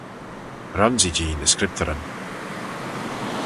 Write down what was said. Ronsee-jee ny Scriptyryn